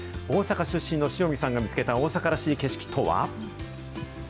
大阪出身の塩見さんが見つけた大阪らしい景色とは。